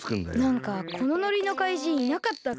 なんかこのノリのかいじんいなかったっけ？